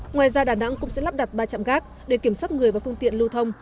ngoài ra đà nẵng cũng sẽ lắp đặt ba trạm gác để kiểm soát người và phương tiện lưu thông